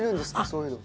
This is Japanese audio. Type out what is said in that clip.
そういうの。